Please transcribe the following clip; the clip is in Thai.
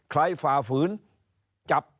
ใครฝาฝืนจับ